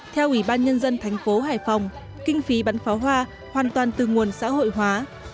theo ủy ban nhân dân thành phố hải phòng kinh phí bắn pháo hoa hoàn toàn từ nguồn xã hội hóa